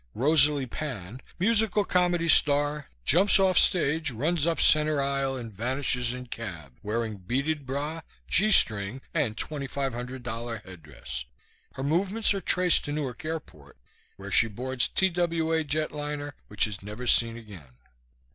Rosalie Pan, musical comedy star, jumps off stage, runs up center aisle and vanishes in cab, wearing beaded bra, G string and $2500 headdress. Her movements are traced to Newark airport where she boards TWA jetliner, which is never seen again.